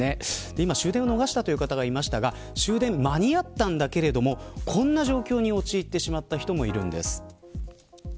今、終電を逃した方がいましたが終電間に合ったんだけれどもこんな状況に陥ってしまった人もいるんです。